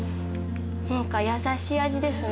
何か優しい味ですね。